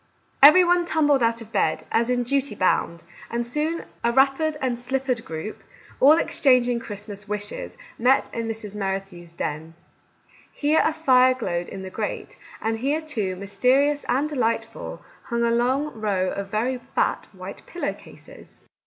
Every one tumbled out of bed, as in duty bound, and soon a wrappered and slippered group, all exchanging Christmas wishes, met in Mrs. Merrithew's den. Here a fire glowed in the grate, and here, too, mysterious and delightful, hung a long row of very fat white pillow cases